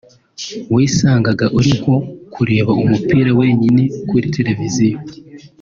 wisangaga uri nko kureba umupira wenyine kuri televiziyo